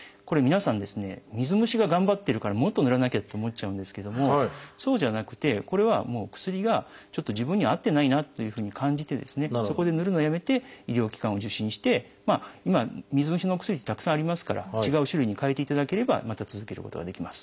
水虫が頑張ってるからもっとぬらなきゃって思っちゃうんですけどもそうじゃなくてこれはもう薬がちょっと自分には合ってないなというふうに感じてそこでぬるのをやめて医療機関を受診して今水虫のお薬ってたくさんありますから違う種類にかえていただければまた続けることができます。